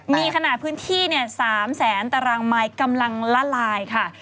มีขนาดพื้นที่๓แสนตารางไม้กำลังละลายค่ะ